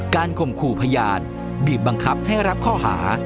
การคมคู่พญาติหรือบังคับให้รับข้อหา